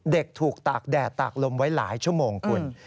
เด็กถูกตากแดดตากลมไว้หลายชั่วโมงคุณ